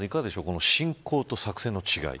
この侵攻と作戦の違い。